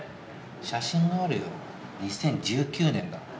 写真あるよ２０１９年だ。